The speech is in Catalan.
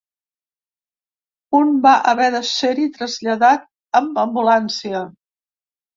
Un va haver de ser-hi traslladat amb ambulància.